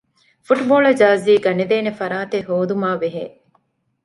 ފުޓްބޯޅަ ޖާރޒީ ގަނެދޭނެ ފަރާތެއް ހޯދުމާބެހޭ